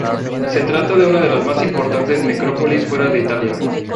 Se trata de una de las más importantes necrópolis fuera de Italia.